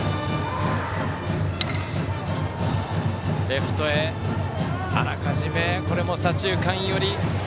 レフトへあらかじめ左中間寄り。